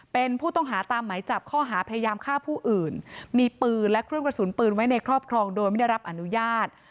เป็นผู้ต้องหาตามไหมจับข้อหาพยายามฆ่าผู้อื่นมีปืนและเครื่องกระสุนปืนไว้ในครอบครองโดยไม่ได้รับอนุญาต